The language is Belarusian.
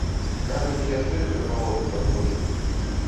Кажуць, яшчэ перапалохі падскочылі.